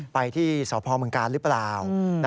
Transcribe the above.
ไปที่สะพอเมืองการธนบุรีหรือเปล่า